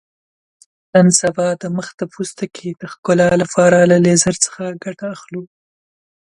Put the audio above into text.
نن سبا د مخ د پوستکي د ښکلا لپاره له لیزر څخه ګټه اخلو.